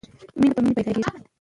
مینه په مینه پیدا کېږي.